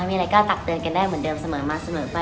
มีอะไรก็ตักเตือนกันได้เหมือนเดิมเสมอมาเสมอไป